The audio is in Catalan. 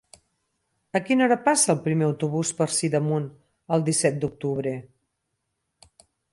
A quina hora passa el primer autobús per Sidamon el disset d'octubre?